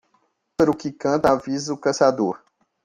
Pássaro que canta avisa o caçador.